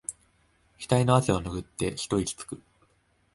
ひたいの汗をぬぐって一息つく